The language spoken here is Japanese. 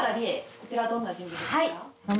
こちらはどんな人物ですか？